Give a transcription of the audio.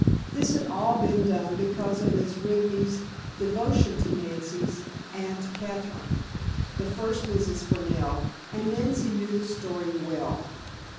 This had all been done because of Mrs. Rigney's devotion to Nancy's Aunt Katherine, the first Mrs. Fernell, and Nancy knew the story well.